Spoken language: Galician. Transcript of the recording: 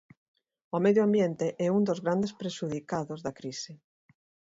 O medio ambiente é un dos grandes prexudicados da crise.